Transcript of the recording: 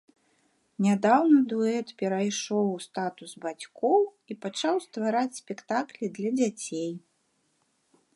Нядаўна дуэт перайшоў у статус бацькоў і пачаў ствараць спектаклі для дзяцей.